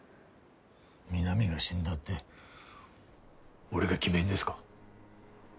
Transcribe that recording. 美波が死んだって俺が決めんですか。